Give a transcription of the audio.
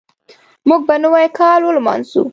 موږ به نوی کال ولمانځو.